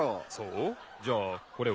じゃあこれは？